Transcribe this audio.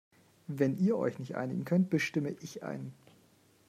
Wenn ihr euch nicht einigen könnt, bestimme ich einen.